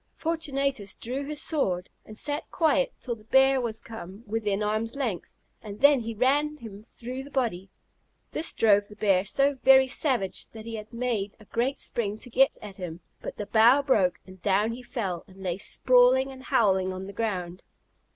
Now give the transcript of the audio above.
Fortunatus drew his sword, and sat quiet till the bear was come within arm's length; and then he ran him through the body. This drove the bear so very savage, that he made a great spring to get at him; but the bough broke, and down he fell, and lay sprawling and howling on the ground.